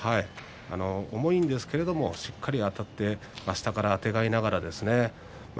重いんですけれどもしっかりあたって下からあてがいながら。